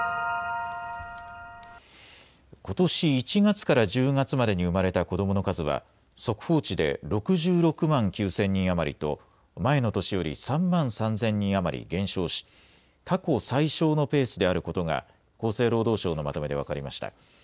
ことし１月から１０月までに生まれた子どもの数は速報値で６６万９０００人余りと前の年より３万３０００人余り減少し過去最少のペースであることが厚生労働省のまとめで分かりました。